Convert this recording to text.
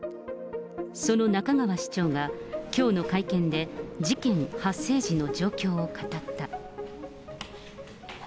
その仲川市長が、きょうの会見で、事件発生時の状況を語った。